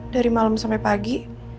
dari malam sampai pagi